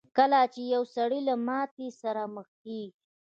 کله چې يو سړی له ماتې سره مخ کېږي.